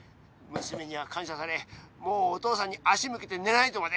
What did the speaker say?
娘には感謝されもうお父さんに足向けて寝ないとまで。